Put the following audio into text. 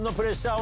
お！